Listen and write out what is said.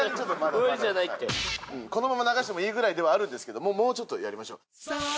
うんこのまま流してもいいくらいではあるんですけどももうちょっとやりましょう。